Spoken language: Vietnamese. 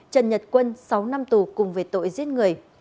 trần nhật quân sáu năm tù cùng về tội giết người